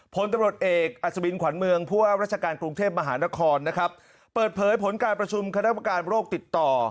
ผลตำรวจเอกอัศวินขวัญเมืองผู้ว่าราชการกรุงเทพมหานครนะครับเปิดเผยผลการประชุมคณะประการโรคติดต่อ